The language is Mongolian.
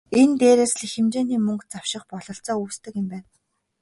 Энэ дээрээс л их хэмжээний мөнгө завших бололцоо үүсдэг юм байна.